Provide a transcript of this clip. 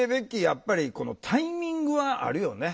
やっぱりこのタイミングはあるよね。